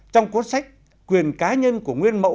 trong cuốn sách quyền cá nhân của nguyên mẫu